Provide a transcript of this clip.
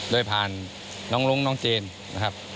โดยผ่านน้องรุ้งน้องเจนนะครับ